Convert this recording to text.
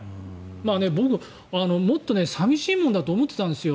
僕、もっと寂しいもんだと思ってたんですよ。